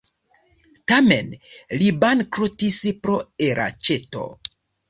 Tamen li bankrotis pro elaĉeto.